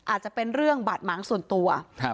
อาจจะเป็นเรื่องบาดหมางส่วนตัว